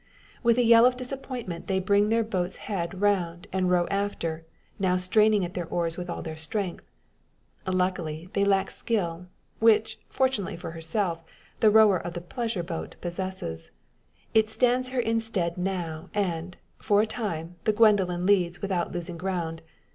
With a yell of disappointment they bring their boat's head round, and row after; now straining at their oars with all strength. Luckily, they lack skill; which, fortunately for herself, the rower of the pleasure boat possesses. It stands her in stead now, and, for a time, the Gwendoline leads without losing ground.